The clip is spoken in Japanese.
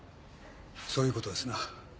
そういうことですな。